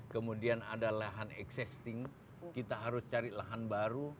kemudian ada lahan existing kita harus cari lahan baru